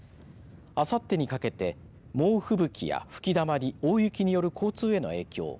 あさってにかけて猛吹雪や吹きだまり大雪による交通への影響